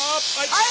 はい！